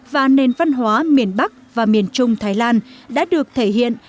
và nền văn hóa miền bắc và miền trung thái lan đã được thể hiện